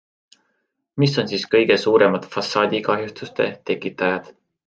Mis on siis kõige suuremad fassaadikahjustuste tekitajad?